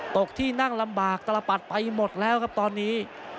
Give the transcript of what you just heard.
ที่นั่งลำบากตลปัดไปหมดแล้วครับตอนนี้